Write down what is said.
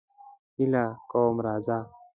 هیله کوم راځه.